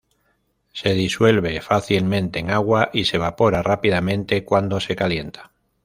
Se disuelve fácilmente en agua y se evapora rápidamente cuando se calienta.